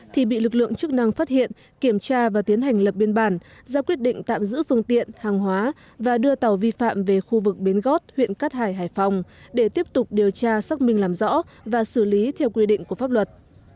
thì bị lực lượng chức năng phát hiện kiểm tra và tiến hành lập biên bản ra quyết định tạm giữ phương tiện hàng hóa và đưa tàu vi phạm về khu vực bến gót huyện cát hải hải phòng để tiếp tục điều tra xác minh làm rõ và xử lý theo quy định của pháp luật